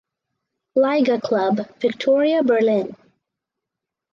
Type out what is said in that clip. Liga club Viktoria Berlin.